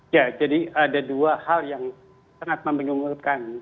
ya jadi ada dua hal yang sangat membingungkan